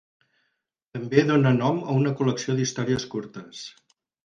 També dona nom a una col·lecció d'històries curtes.